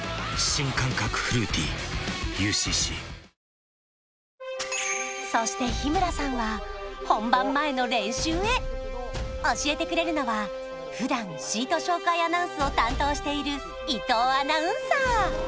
最高の渇きにＤＲＹそして日村さんは本番前の練習へ教えてくれるのは普段シート紹介アナウンスを担当している伊東アナウンサー